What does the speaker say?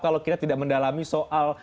kalau kita tidak mendalami soal